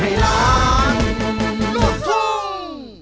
ไฮไหล่ลูกคุม